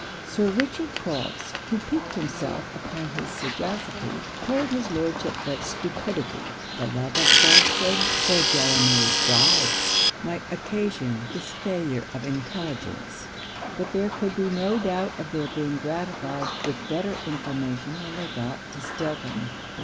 Sir Richard Crofts, who piqued himself upon his sagacity, told his Lordship that stupidity, the love of falsehood, or Delamere's bribes, might occasion this failure of intelligence; but there could be no doubt of their being gratified with better information when they got to Stilton.